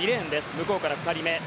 向こうから２人目。